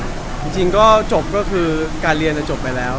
ตอบไปแล้วหลายรอบจบก็คือการเรียนจับไปแล้ว